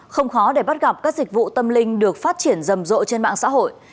không khó để bắt gặp các dịch vụ tâm linh được phát triển rầm rộ trên mạng xã hội